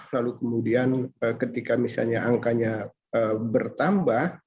lalu kemudian ketika misalnya angkanya bertambah